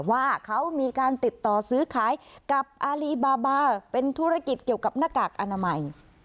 ว่าเขามีการติดต่อซื้อขายกับอารีบาบาเป็นธุรกิจเกี่ยวกับหน้ากากอนามัย